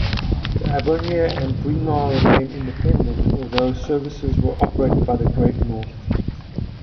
The Aboyne and Braemar remained independent, although services were operated by the Great North.